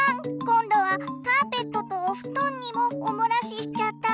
今度はカーペットとお布団にもおもらししちゃった。